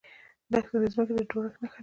دښتې د ځمکې د جوړښت نښه ده.